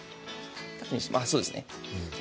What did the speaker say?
そうですね。